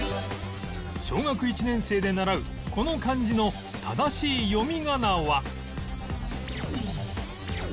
小学１年生で習うこの漢字の正しいよみがなは？